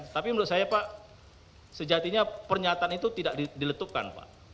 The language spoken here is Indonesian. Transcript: tapi menurut saya pak sejatinya pernyataan itu tidak diletupkan pak